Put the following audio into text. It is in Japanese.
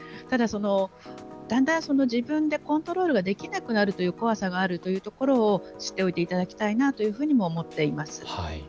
ただ、だんだん自分でコントロールができなくなるという怖さがあるところを知っておいていただきたいなというふうにも思っています。